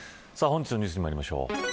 本日のニュースにまいりましょう。